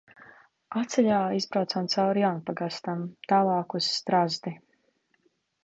Atceļā izbraucam cauri Jaunpagastam. Tālāk uz Strazdi.